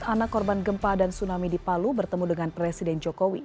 anak korban gempa dan tsunami di palu bertemu dengan presiden jokowi